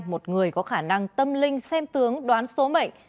một người có khả năng tâm linh xem tướng đoán số mệnh